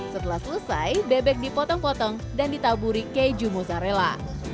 setelah selesai bebek dipotong potong dan ditaburi keju mozzarella